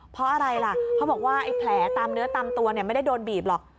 เพราะอะไรล่ะเขาบอกว่าไอ้แผลตามเนื้อตามตัวไม่ได้โดนบีบหรอก